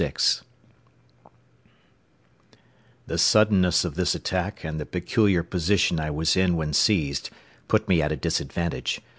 VI The suddenness of this attack and the peculiar position I was in when seized, put me at a disadvantage.